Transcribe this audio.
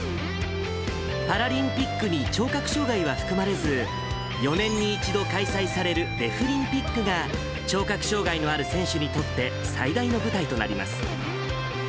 パラリンピックに聴覚障害は含まれず、４年に１度開催されるデフリンピックが、聴覚障がいのある選手にとって最大の舞台となります。